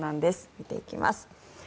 見ていきます。